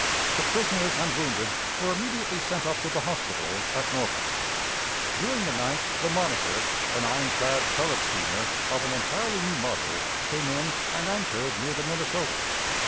The prisoners and wounded were immediately sent up to the hospital at Norfolk. During the night the Monitor, an iron clad turret steamer, of an entirely new model, came in, and anchored near the Minnesota.